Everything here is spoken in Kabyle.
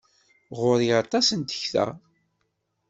Ɣur-i aṭas n tekta.